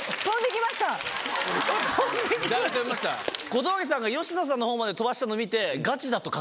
小峠さんが佳乃さんのほうまで飛ばしたの見て。